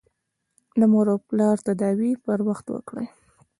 د مور او پلار تداوي پر وخت وکړئ.